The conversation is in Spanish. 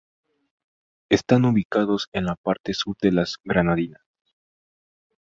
Están ubicados en la parte sur de las Granadinas.